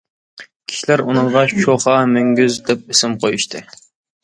كىشىلەر ئۇنىڭغا شوخا مۈڭگۈز دەپ ئىسىم قويۇشتى.